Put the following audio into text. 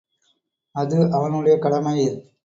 அது அவனுடைய கடமை.